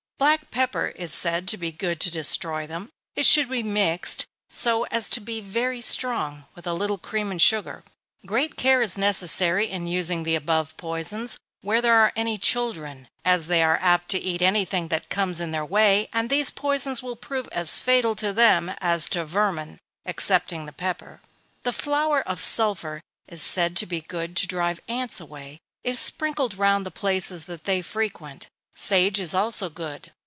Black pepper is said to be good to destroy them it should be mixed, so as to be very strong, with a little cream and sugar. Great care is necessary in using the above poisons, where there are any children, as they are so apt to eat any thing that comes in their way, and these poisons will prove as fatal to them as to vermin, (excepting the pepper.) The flour of sulphur is said to be good to drive ants away, if sprinkled round the places that they frequent. Sage is also good.